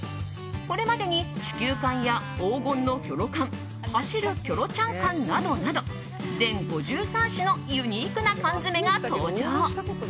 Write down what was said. これまでに地球缶や黄金のキョロ缶走るキョロちゃん缶などなど全５３種のユニークな缶詰が登場。